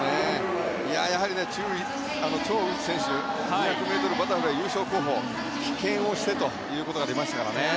やはりチョウ・ウヒ選手２００ｍバタフライ優勝候補棄権してということが出ましたからね。